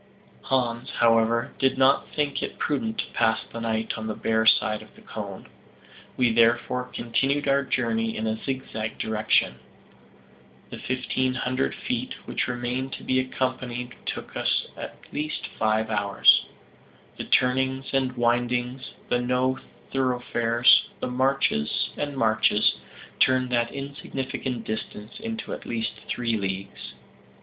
Hans, however, did not think it prudent to pass the night on the bare side of the cone. We therefore continued our journey in a zigzag direction. The fifteen hundred feet which remained to be accomplished took us at least five hours. The turnings and windings, the no thoroughfares, the marches and marches, turned that insignificant distance into at least three leagues.